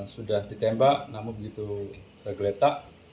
sudah ditembak namun begitu tergeletak